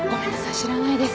知らないです。